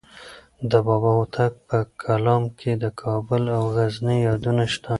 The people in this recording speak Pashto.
د بابا هوتک په کلام کې د کابل او غزني یادونه شته.